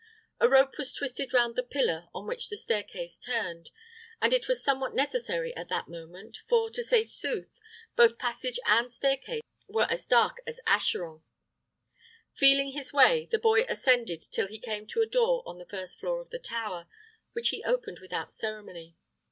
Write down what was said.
A rope was twisted round the pillar on which the stair case turned; and it was somewhat necessary at that moment, for, to say sooth, both passage and stair case were as dark as Acheron. Feeling his way, the boy ascended till he came to a door on the first floor of the tower, which he opened without ceremony.